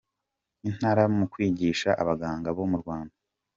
Intara mu kwigisha abaganga bo mu Rwanda